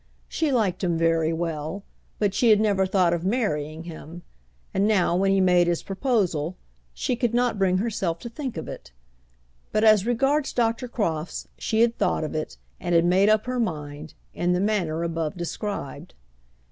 She liked him very well, but she had never thought of marrying him; and now, when he made his proposal, she could not bring herself to think of it. But as regards Dr. Crofts, she had thought of it, and had made up her mind; in the manner above described.